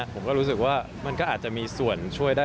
ผมก็รู้สึกว่ามันก็อาจจะมีส่วนช่วยได้